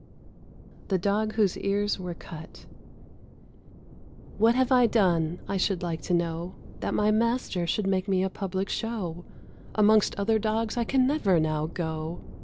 FABLE CCII. THE DOG WHOSE EARS WERE CUT. "What have I done, I should like to know, That my master should make me a public show? Amongst other dogs I can never now go!